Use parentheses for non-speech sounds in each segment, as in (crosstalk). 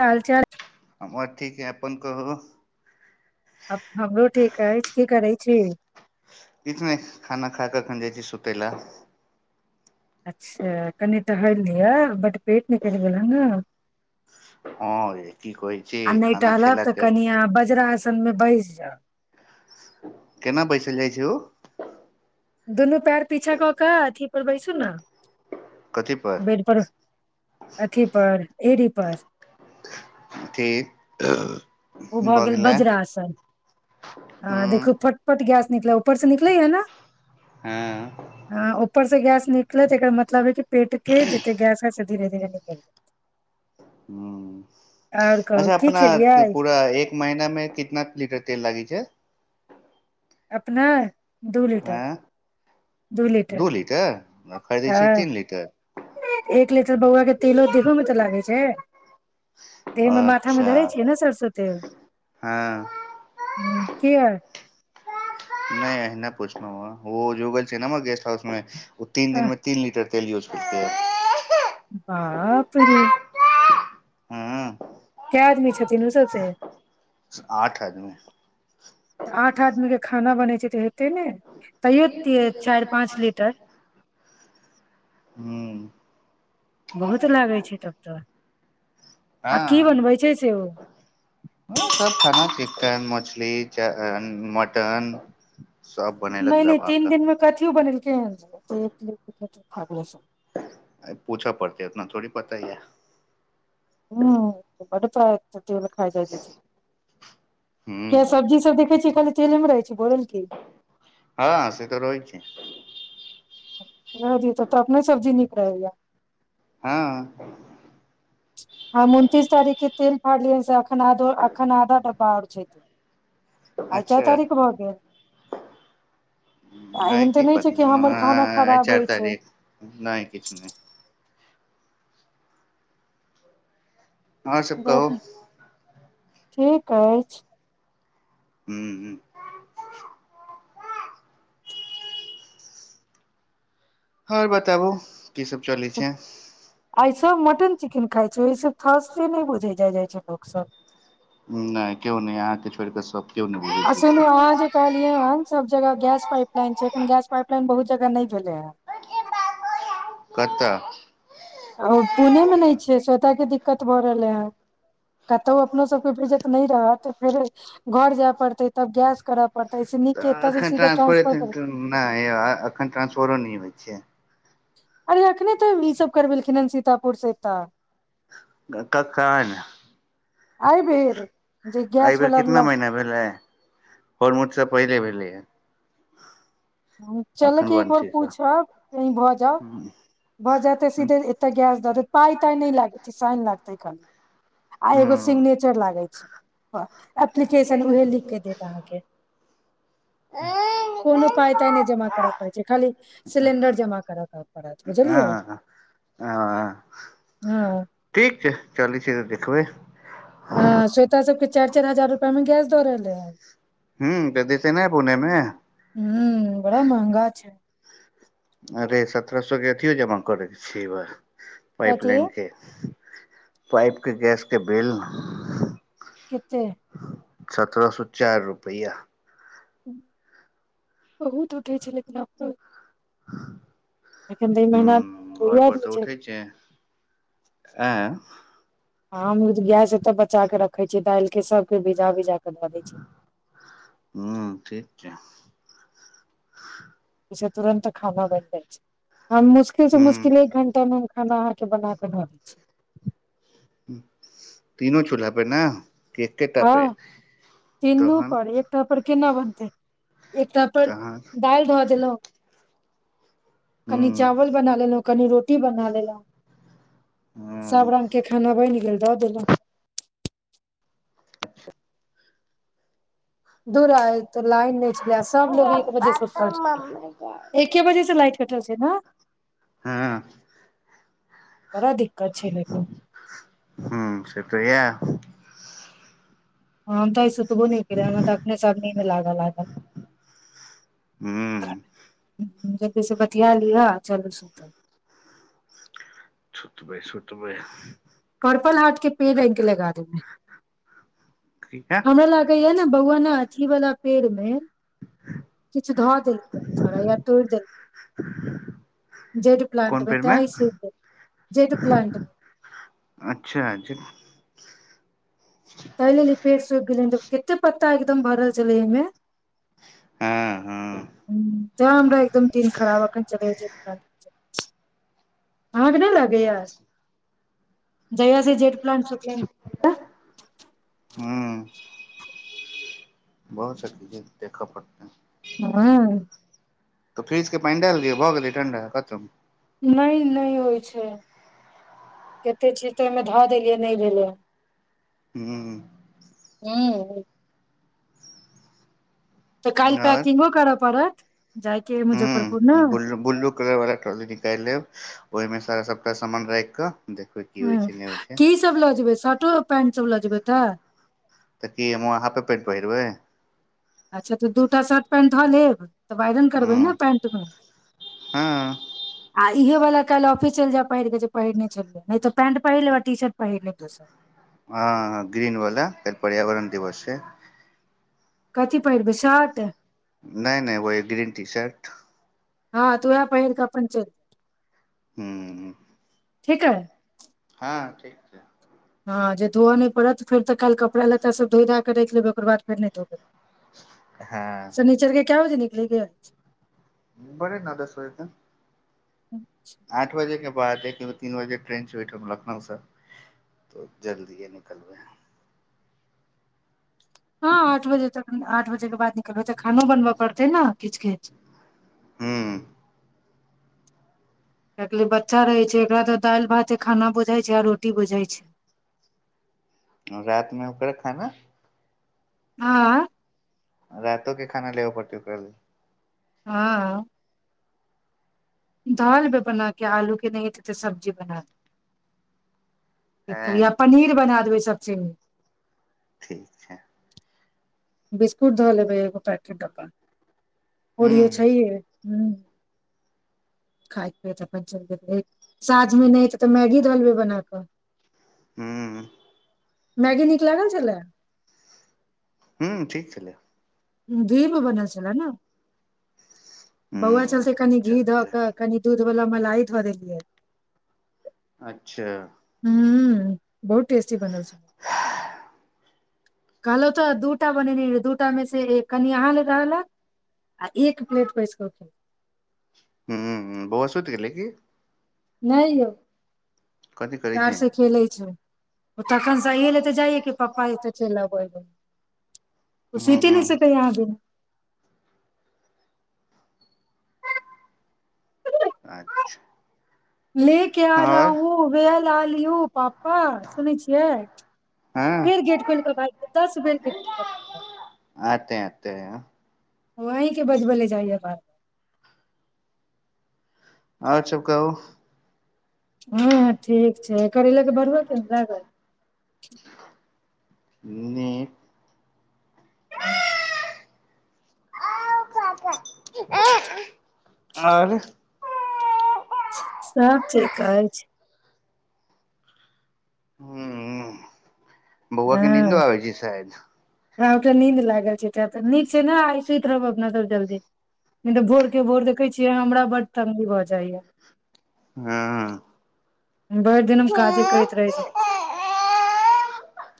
हाल चाल हमर ठीक ह अपन कहू आब हमरो ठीक अछि की करै छी इछ नहि खाना खा कखन जाइ छी सुतैला अच्छा कनि ट हलि दिअ बड पेट निकलि गेल हेन ने हँ य की कहै छी आ नहि खाना टहलब तऽ खेलाके कनि आ बज्रसन मे बस आ केना बैसल जाइ छै ओ दुनू पैर पीछा कऽ कऽ अथी पर बैसू ने कथीपर बेड पर अथिी पर एरीपार थे अ ओ भऽ गेल बज्रासन आ हूँ देखू फटपट ग निकल ऊपर से निकल है न हँ ऊपर से गैस निकलत एकर मतलब है कि पेट के जते गैस है से धीरे धीरे निकल जातै ह आओर कहू अच्छा की अपना खेलियै पूरा एक महिना मे कितना लीटर तेल लागी छै अपना आँय दू लीटर आ खरीदै छीै हँ तीन लीटर एक लीटर बौआ के तेलो देखो में तऽ लागे छै तमे मथामे अच्छा धरे छिय ने सरसो तेल हँ ह केए नहि अहना पूछना ह व जुगल छै न गेस्ट हाउस मे ओ तीन दिनमे तीन लीटर तेल यूज करतै बाप रे क आदमी छथिन ओ सभसँ आठ आदमी तऽ आठ आदमीके खाना बनैत छै तऽ हेतै ने तैयो चारि पाँच लीटर ह बहुत लागै छै तब तऽ आ की हँ बनबै छै से ओ ओ सब खाना चन मछली च मटन सब बनेलक नहि नहि दबा तीन दिन कऽ में कथियो बनेल (inaudible) अ पूछऽ पड़त उतना थोड़ी पता ही य हू बप खा ह सब्जी सब देखै छै खाली क रह हँ से तऽ रहै छै नहि दी तब तऽ अपने सब्जी नीक रहैएा हँ हँ उनतीस तारखे तेल फाल अखना अखना बड़ छै त आइ क अच्छा तारीख बहु गेल आ एहन तऽ की नहि प छै कि हमर खाना खराब चार होइ छै तारीख नहि किछ नहि आओर सबब कहहो ठीक अछि ह्म ह आर बताबू की सब चलै छै आइ सब मटन चिकेन खाइ छै ओहिसँ फास्टे नहि बुझै जा जाइत छै लोक सब नहि केओ नहि अहाँके छोड़ कऽ सब आ सुनु अहाँ जे कहलियै हन सब जगह गैस पाइप लइन छै एखन गैस पाप लइन बहुत जगह नहि भेज कत ओ पुणेमे नहि छै स्वताके दिक्कत भऽ रहलै हे कतहु अपनो सभके भजत नहि रहत तऽ फेर घर जाय पड़तै तब गैस करय एखन ट्रांसफर नहि एखन ट्रांसफरो नहि होइ छै अरे एखने तऽ ईसभ करबेलखिन हेँ सीतापुरसँ एतऽ क क क ने अइ भीर एहि बेेर कितना महीना भेलै फर मुठसँ पहिले भेल ल चलह कि एकबर वंशीसँ पूछब कहीँ भऽ जाब भऽ जाते सीधे एते गैस दऽ दे पाय तााय नहि लागे छै साइन लाग तै खाली आ हँ एगो सिग्नेचर लागे छै एप्लीकेशन उहे लिख के देत अहाँके कोनो पााय ताइ नहि जमा करय पड़ै छै खाली सिलेंडर जमा करय पड़त बुझलियै हँ ह हँ ठीक छै चल छै तऽ देखबै हँ श्वेता सबके चारि चार हजार रुपआ मे गैस दऽ रहले है ह तऽ दसे ने पुणेमे हूं बड़ा महंगा छै अरे सत्र सए केथि जमा करै छै पाइप कथी लाइन के पाइप के गैस के बिल कतेक सत्ररह सए चारि रुपैआ बहुत उठै छै लेकिन अपो एखन तऽ ई हूं मेहनात घर पर हो छै आ हम गैस एतऽ बचा के रखे छीियै दालि के सबके भिजा भजा के दऽ दै छियै ह ठीक क पस तुरन्त खााना बनि जाइ छै मुश्किल से हूं मुश्किल एक घण्टामे हम अहाँके बनााक धरै छी तनो चोलब ने कि एकेटा पे हँ चीनू तहन पर एकटा पर केना बनतै एकटा पर तहन दालि धोआ देलहुँ हूं कनी हूं चावल बनाल लोक कनि रोटी बना लेलहु सभ हँ रङ्गके खाना बनि गेल दऽ देलहुँ दू आ त लाइन नहि छलै सभलोग एक बजेसँ उठल छल एके बजेसँ लाइट कटल छै ने बड़ा दिक्कत छै लेकिन हूं से तऽ यैह हँ ता स सुब न फिरै त अपने सने मे लागल लागल हूं जलदी से बतििया लिह चलू सुतऽ सुत भइ सुत भइ पर्पल हाट के पेड़ आ के लगा दे मे किया हमरा लागे य ने बहुआना अथी वाला पेड़ मे ह किछु धऽ देलकै छड़ा या तोड़ि देलकै जेड कोन प्लंट मे पेड़ तें ही सुखि देलै जेड प्लंट मे अच्छा ज तैलल पेस गेल लेलन्द कतेक पत्ता एकदम भरल छलै इमे हँ हँ ह त हमरा एकदम तीिन खराब एखन चल अहाके नहि ल आ गय जय सी जे प्लां हूँ बहुत स चीजे देखा पड़त है हँ तऽ फ्रिजके पानि डालि दियौ भऽ गेलै ठण्डा खतम नहि नहि होइ छै कतेक छिय तऽ ओहिमे धऽ देलियै नहि भेलै हू ह तऽ कालहि पैकिंगो करऽ पड़त जायके ह मुजफ्फरपुर ने ब ब्लू कलर वाला ट्रॉली निकालि लेब ओहिमे तार सबटा सामान राखिकऽ ह की सब लगजबै शर्ट पैंट चला जबै तऽ तऽ कि म हफ पेंट परै अच्छा तऽ दूटा शर्ट पैंट धऽ लेब तऽ बइरन करबे हूँ ने पेंट मे हँ आ इ वला काल् ऑिस चलि जाय पहिरके परनेलियै नहि तऽ पैंट पहिरे आ टी शर्ट पहिर लेबोसर हँ ग्रीन वाल क पर्यावरण दिवस छै कथी पैरबै छाट नहि नहि व एक ग्रीन टी शर्ट हँ तूए पहिर क पन च ह्म ह ठीक ह हँ ठीक छै हँ जे धोअय नहिड़त फेर तऽ काल्हि कपड़ लत्तभ धो धए कऽ राखिेबै ओकर बाद फेर नहि धोयै हँ क्य बजे निकलेगे बड़े नेद सत आठ बजे के ब आते कि तीन बजे ट्रन च वेठ लखनउसँ त जल्दीए निकलबे ह हँ आठ बजे तक आठ बजे के बाद निकलबै तऽ खानो बनबऽ पड़तै न किच कच हू किाहकेि लिए बच्चा रहै छै एककरा तऽ दालि भात छै खाना बुझाइ छै आ रोटी बुझाइ छै रात मे उकर खाना हँ रातो के खाना लेबो पड़त ओकर हँ दाल भ बना क आलू के नह देेते सबब्जी बना दी हँ या पनीर बना देबै सचिन ठीक छै बिस्कुट धऽ ले बेैगो पैकेट डपा ह ओऑडियो चाहिए ह खइत पियत अपन चलि जे साझमे नहितै तऽ मैगी धऽ लबै बना कऽ ह मैगी नीक लागल छलै हूँ ठीक छलै धीम बनल छल ने ह बौआ चलते कनी घी धऽ चलतै क कनि दूध बोला मलाह ो दे लियए अच्छा ह बहुत टेस्टी बन तऽ द दह प्लेटैस ह बौआ सुत गेलल की नहि यौ कथी करै कार छै ह से खेले छौ तखन सही ले तऽ जाइय कि पप्पा एतऽ चलि अब त सीट ह नहि सकै यहाँ भ अच्छा ले के आल आओर हूँ व ल लिौ पाप हँ सुनै छियै फेर हँ गेट खोलिके भ जा दस बेर गेट खोलिकऽ जा अतते वहीँके बजबै ले चाहए बात आओर सब कहू हँ ठीक करैले के बढ़ब के ने लागै न ह आ ओ ख ख आओर सभ ठीक कहै छै हू बौआके नीदो आ छै साायद आटा नींद लागल छैटा नीीक छै ने आ सुति रहब अपना सब जल्दी त भोर के भोर देखे छी जे हमरा बड्ड ंगी भऽ जाया हँ भरि दिन हम काजे करैत रहि जाइ छी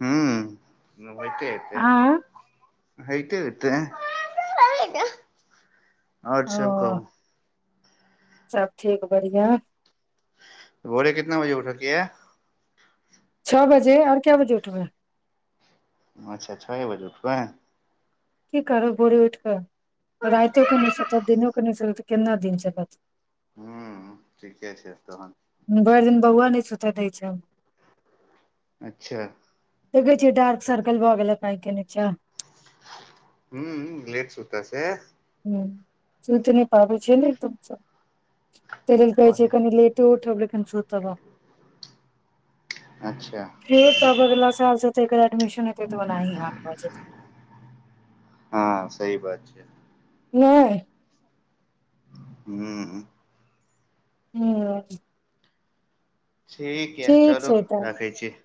हू ओइटेयतै आ होयते होतै अओर सब कहू सभ ठीक बढ़िआँ बोरे कितना बजे उठके य छओ बजे आऔर क्य बजे उठबै अच्छा छ बजू खु की करब भोरे उठि कऽ रातिो क नहिसँ दिनो कने तऽ केना दिन च बत हूं ठीके छै तहन भरि दिन बौआ नहि सुतय दै छै अच्छा तऽ कहै छै डार्क सर्कल भऽ गेल हमरा आंखि के नीचा ह ललेट सुूत छै हं सूइत नहि पाबै छै ने तब सब तै लेल कह छै कनि लेट उठब ले हम सूतब हम अच्छा फेर स अबै बला साल सोचै एकर एडमिसन हेतै तऽ ओनाहि हाल भऽ जेतै हँ सही बात छै नहि हूं हूं ठीक य चलू छै तऽ राखै छी